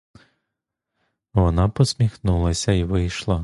Вона посміхнулася й вийшла.